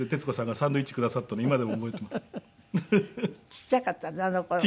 ちっちゃかったねあの頃ね。